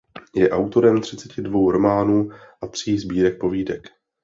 Je autorem třiceti dvou románů a tří sbírek povídek.